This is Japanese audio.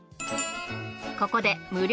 ここで無料